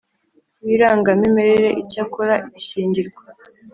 w irangamimerere Icyakora ishyingirwa